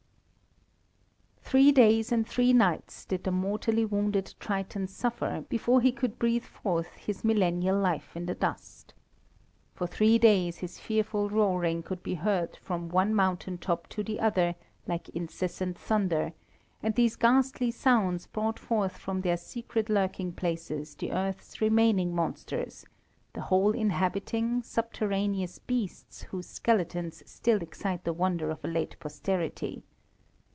Three days and three nights did the mortally wounded Triton suffer before he could breathe forth his millennial life in the dust. For three days his fearful roaring could be heard from one mountain top to the other like incessant thunder, and these ghastly sounds brought forth from their secret lurking places the Earth's remaining monsters, the hole inhabiting, subterraneous beasts whose skeletons still excite the wonder of a late posterity.